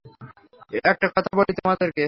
একটা কথা বলি তোমাদেরকে?